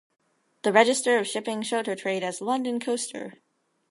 The "Register of Shipping" showed her trade as "London coaster".